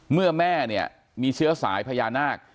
แม่เนี่ยมีเชื้อสายพญานาค